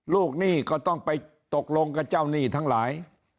หนี้ก็ต้องไปตกลงกับเจ้าหนี้ทั้งหลาย